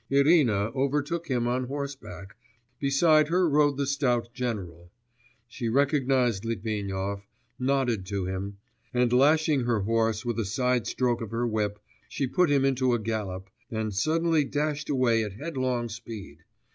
Irina overtook him on horseback; beside her rode the stout general. She recognised Litvinov, nodded to him, and lashing her horse with a sidestroke of her whip, she put him into a gallop, and suddenly dashed away at headlong speed.